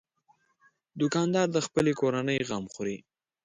دوکاندار د خپلې کورنۍ غم خوري.